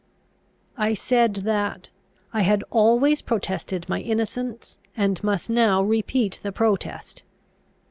I said that "I had always protested my innocence, and must now repeat the protest."